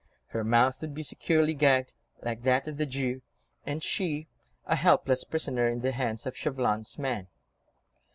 Her mouth would be securely gagged, like that of the Jew, and she, a helpless prisoner in the hands of Chauvelin's men.